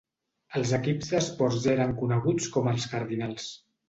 Els equips d'esports eren coneguts com els Cardinals.